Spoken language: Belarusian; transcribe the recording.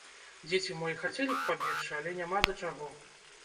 Дзеці мо і хацелі б пабегчы, але няма да чаго.